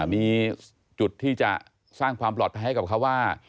มีจุดที่จะสร้างความปลอดภัยให้กับเขาว่า